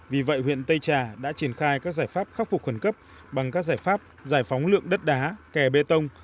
vì vậy huyện tây trà đã triển khai các giải pháp khắc phục khẩn cấp bằng các giải pháp giải phóng lượng đất đá kè bê tông